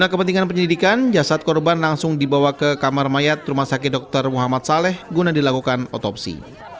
karena kepentingan penyelidikan jasad korban langsung dibawa ke kamar mayat rumah sakit dr muhammad saleh guna dilakukan otopsi